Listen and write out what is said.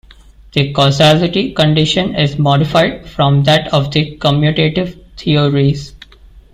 The causality condition is modified from that of the commutative theories.